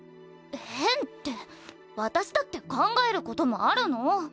変って私だって考えることもあるの。